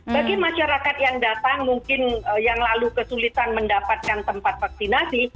bagi masyarakat yang datang mungkin yang lalu kesulitan mendapatkan tempat vaksinasi